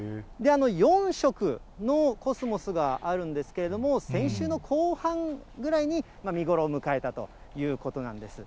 ４色のコスモスがあるんですけれども、先週の後半ぐらいに見頃を迎えたということなんです。